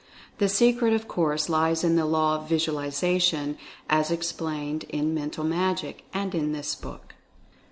The se cret of course lies in the Law of Visualization as ex plained in "Mental Magic" and in this book.